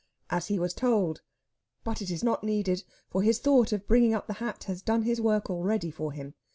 as he was told. But it is not needed, for his thought of bringing up the hat has done his work already for him.